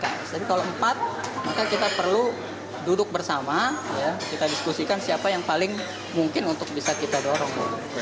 jadi kalau empat maka kita perlu duduk bersama kita diskusikan siapa yang paling mungkin untuk bisa kita dorong